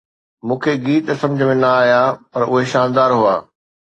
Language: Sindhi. مون کي گيت سمجهه ۾ نه آيا پر اهي شاندار هئا